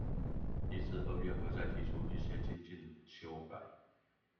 一至二月會再提出一些精進修改